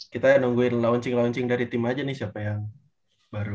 kita nungguin launching launching dari tim aja nih siapa yang baru